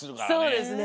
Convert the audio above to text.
そうですね。